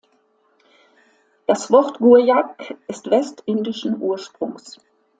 Das Wort "Guajak" ist westindischen Ursprungs.